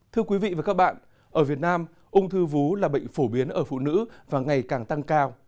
thưa quý vị và các bạn ở việt nam ung thư vú là bệnh phổ biến ở phụ nữ và ngày càng tăng cao